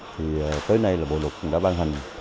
thì tới nay là bộ luật đã ban hành